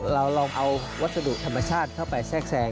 เราลองเอาวัสดุธรรมชาติเข้าไปแทรกแทรง